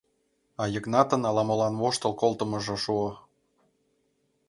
А Йыгнатын ала-молан воштыл колтымыжо шуо.